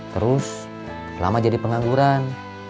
terus lama jadi pengangguran